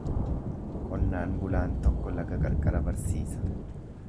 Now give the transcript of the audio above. Qonnaan bulaan tokko laga qarqara barsiisa.